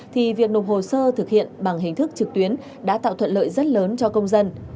thì việc nộp hồ sơ thực hiện bằng hình thức trực tuyến đã tạo thuận lợi rất lớn cho công dân